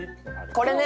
これね。